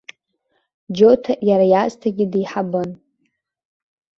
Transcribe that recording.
Џьота иара иаасҭагьы деиҳабын.